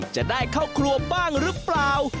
จะได้เข้าครัวบ้างหรือเปล่า